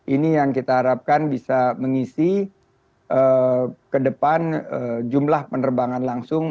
ini yang kita harapkan bisa mengisi ke depan jumlah penerbangan langsung